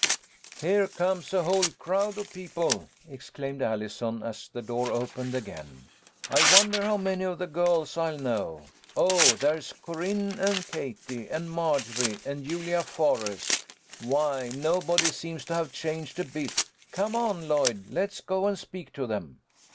" Here comes a whole crowd of people," exclaimed A HALLO WE >EN PARTY. 153 Allison, as the door opened again. "I wonder how many of the girls I'll know. Oh, there's Corinne and Katie and Margery and Julia Forrest. Why, nobody seems to have changed a bit. Come on, Lloyd, let's go and speak to them."